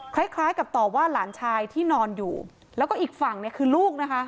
คล้ายคล้ายกับต่อว่าหลานชายที่นอนอยู่แล้วก็อีกฝั่งเนี่ยคือลูกนะคะ